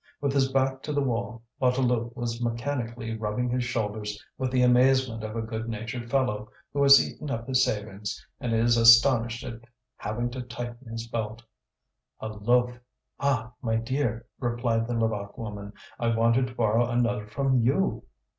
With his back to the wall, Bouteloup was mechanically rubbing his shoulders with the amazement of a good natured fellow who has eaten up his savings, and is astonished at having to tighten his belt. "A loaf! ah! my dear," replied the Levaque woman, "I wanted to borrow another from you!"